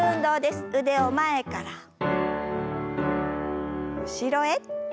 腕を前から後ろへ。